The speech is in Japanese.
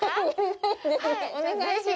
お願いします。